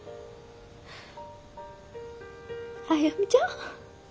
歩ちゃん？